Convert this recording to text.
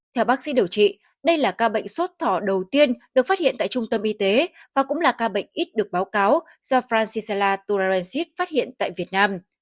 theo bác sĩ điều trị đây là ca bệnh sốt thỏ đầu tiên được phát hiện tại trung tâm y tế và cũng là ca bệnh ít được báo cáo do francisala turarencis phát hiện tại việt nam